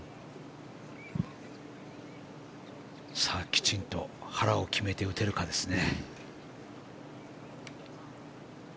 きちんと腹を決めて打てるかですね。